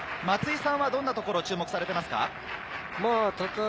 松井さんはどんなところ注目されますか？